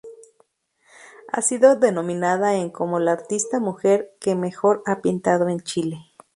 Ha sido denominada en como la "artista mujer que mejor ha pintado en Chile".